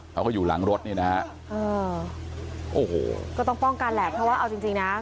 เขาก็อยู่หลังรถนี่นะฮะเออโอ้โหก็ต้องป้องกันแหละเพราะว่าเอาจริงจริงนะ